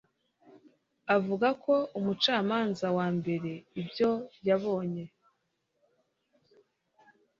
Avuga ko umucamanza wa mbere ibyo yabonye